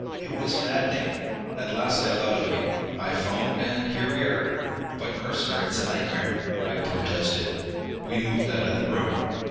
It was maddening. "At last I thought of you. I phoned, and here we are!" "But, Mercer, it's a nightmare!" I protested. We moved out of the room.